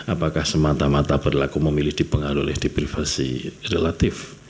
apakah semata mata berlaku memilih dipengaruhi deprivasi relatif